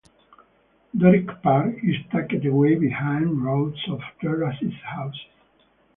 Doric Park is tucked away behind rows of terraced houses.